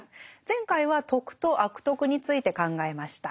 前回は「徳」と「悪徳」について考えました。